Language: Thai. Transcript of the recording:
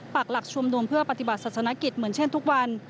ปากหลักชุมนุมเพื่อปฏิบัติศาสนกิจเหมือนเช่นทุกวัน